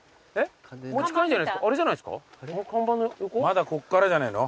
まだこっからじゃないの？